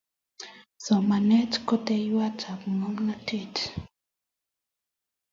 somanet ko yateywotap ngomnotet